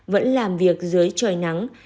vẫn làm việc dưới trời nắng